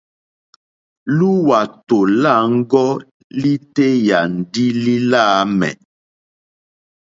Lúwàtò lâŋɡɔ́ lítéyà ndí lí láǃámɛ̀.